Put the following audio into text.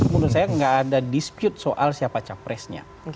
menurut saya nggak ada dispute soal siapa capresnya